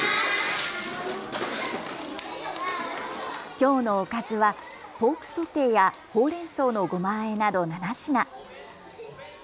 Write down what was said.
きょうのおかずはポークソテーやほうれんそうのごまあえなど７品。